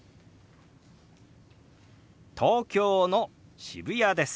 「東京の渋谷です」。